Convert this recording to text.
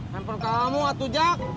handphone kamu atu jak